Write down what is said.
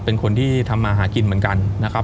เป็นคนที่ทำมาหากินเหมือนกันนะครับ